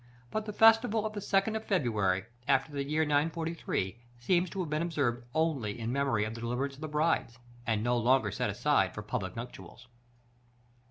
" But the festival of the 2nd of February, after the year 943, seems to have been observed only in memory of the deliverance of the brides, and no longer set apart for public nuptials.